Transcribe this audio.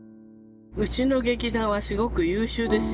うちの劇団はすごく優秀ですよ